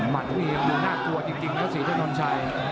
วันนี้มุมมัดดูน่ากลัวจริงนะครับศรีทะนอนชัย